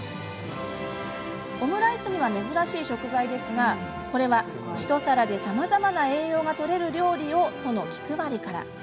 オムライスには珍しい食材ですがこれは「一皿でさまざまな栄養がとれる料理を」との気配りから。